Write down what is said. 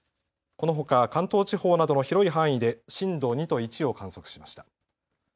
このほか関東地方などの広い範囲で震度２と１を観測しました。